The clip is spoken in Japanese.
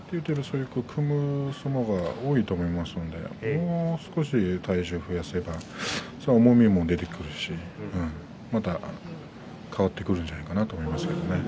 組み合う相撲が多いと思いますのでもう少し体重を増やせば重みも出てきますしまた変わってくるんじゃないかと思いますけどね。